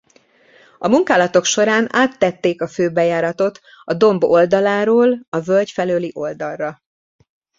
A munkálatok során áttették a főbejáratot a domb oldaláról a völgy felőli oldalra.